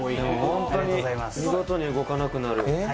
ホントに見事に動かなくなるえ？